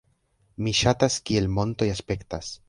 Mi ŝatas kiel montoj aspektas